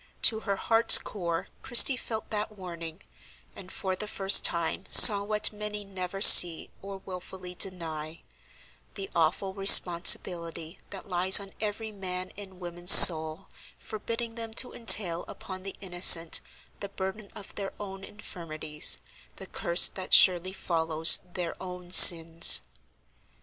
To her heart's core Christie felt that warning; and for the first time saw what many never see or wilfully deny,—the awful responsibility that lies on every man and woman's soul forbidding them to entail upon the innocent the burden of their own infirmities, the curse that surely follows their own sins.